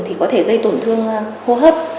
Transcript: thì có thể gây tổn thương hô hấp